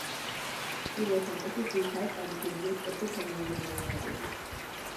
ჩრდილოეთ ნაწილში ძირითადად წარმოდგენილია კერძო ფერმერული მეურნეობები.